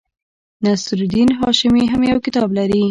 نصیر الدین هاشمي هم یو کتاب لري.